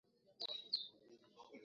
Zanzibar ilikuwa eneo muhimu la biashara